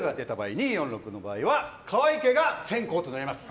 ２、４、６の場合は河合家が先攻となります。